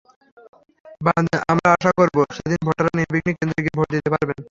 আমরা আশা করব, সেদিন ভোটাররা নির্বিঘ্নে কেন্দ্রে গিয়ে ভোট দিতে পারবেন।